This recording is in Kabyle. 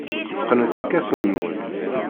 Qqnet irkasen-nwen.